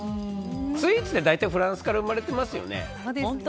スイーツって大体フランスから生まれてますよね。